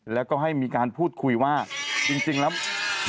แล้วก็ให้มีการพูดคุยว่าจริงแล้ว